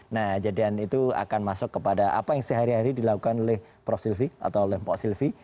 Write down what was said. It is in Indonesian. nah jadian itu akan masuk kepada apa yang sehari hari dilakukan oleh prof silvi atau oleh pak silvi